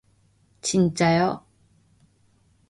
진짜요?